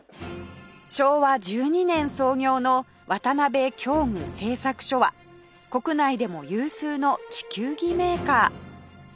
昭和１２年創業の渡辺教具製作所は国内でも有数の地球儀メーカー